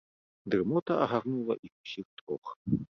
Дрымота агарнула іх усіх трох.